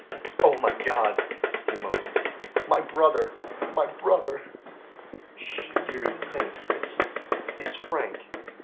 "Oh, my God," he moaned, "my brother, my brother!" "'Sh, dearie, think it 's it 's Frank."